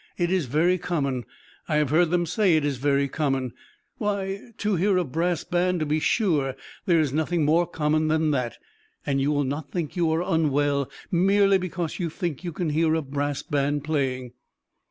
It is very common; I have heard them say it is very common. Why, to hear a brass band, to be sure! There is nothing more common than that. And you will not think you are unwell merely because you think you can hear a brass band playing!"